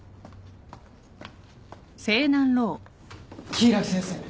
柊木先生。